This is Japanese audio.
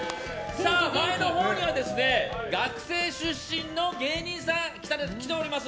前のほうには学生出身の芸人さん来ております。